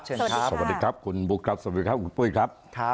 เชิญครับบุกครับสวัสดีครับ